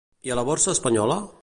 I a la borsa espanyola?